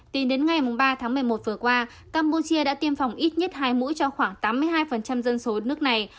tính đến ngày ba tháng một mươi một vừa qua campuchia đã tiêm phòng ít nhất hai mũi cho khoảng tám mươi hai dân số nước này